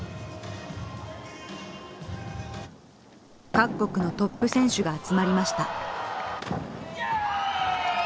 各国のトップ選手が集まりました。